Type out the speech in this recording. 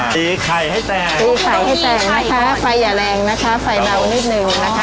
ตีไข่ให้แตกตีไข่ให้แตกนะคะไฟอย่าแรงนะคะไฟเบานิดนึงนะคะ